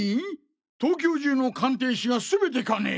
東京中の鑑定士がすべてかね？